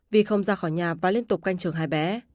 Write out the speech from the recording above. vì không ra khỏi nhà và liên tục canh trường hai bé